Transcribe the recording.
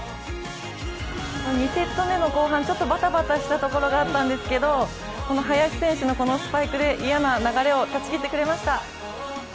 ２セット目の後半ちょっとバタバタしたところがあったんですけどこの林選手のスパイクで嫌な流れを断ち切ってくれました。